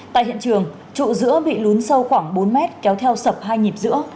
tại hiện trường trụ giữa bị lún sâu khoảng bốn mét kéo theo sập hai nhịp giữa